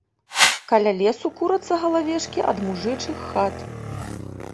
Каля лесу курацца галавешкі ад мужычых хат.